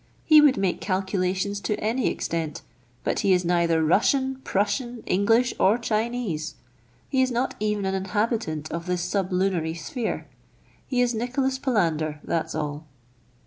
He would make calculations to any extent ; but he is neither Russian, Prussian, English, or Chinese ; he is not even an inhabitant of this sublunary sphere ; he is Nicholas Palander, that's all."